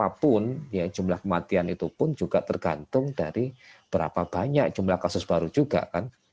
apapun ya jumlah kematian itu pun juga tergantung dari berapa banyak jumlah kasus baru juga kan